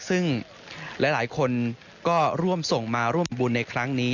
ซึ่งหลายคนก็ร่วมส่งมาร่วมบุญในครั้งนี้